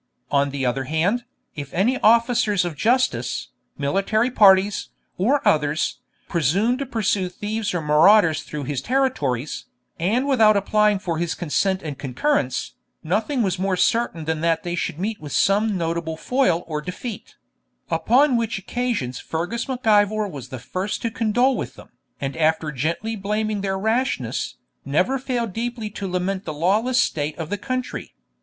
On the other hand, if any officers of justice, military parties, or others, presumed to pursue thieves or marauders through his territories, and without applying for his consent and concurrence, nothing was more certain than that they would meet with some notable foil or defeat; upon which occasions Fergus Mac Ivor was the first to condole with them, and after gently blaming their rashness, never failed deeply to lament the lawless state of the country.